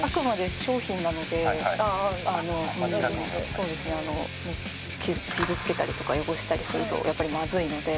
「そうですね傷つけたりとか汚したりするとやっぱりまずいので」